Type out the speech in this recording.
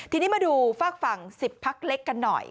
ทีนี้มาดูฝากฝั่ง๑๐พักเล็กกันหน่อย